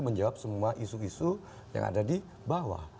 menjawab semua isu isu yang ada di bawah